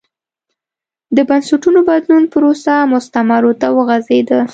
د بنسټونو بدلون پروسه مستعمرو ته وغځېده.